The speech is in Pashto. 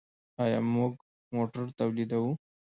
آیا موږ موټر تولیدوو؟